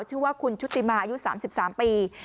ชื่อว่าคุณชุติมาอายุ๓๓ปี